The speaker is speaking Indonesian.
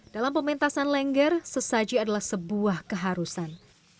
dalam pementasan lengger sesaji adalah sebuah keharusan